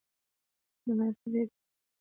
د کورنۍ ناستې ډیرې کړئ.